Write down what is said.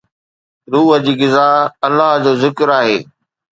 روح جي غذا الله جو ذڪر آهي.